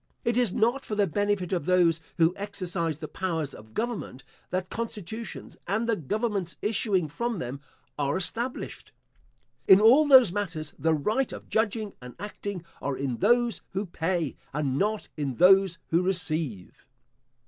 It is not for the benefit of those who exercise the powers of government that constitutions, and the governments issuing from them, are established. In all those matters the right of judging and acting are in those who pay, and not in those who receive.